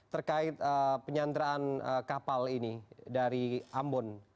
terkait penyanderaan kapal ini dari ambon